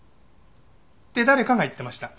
って誰かが言ってました。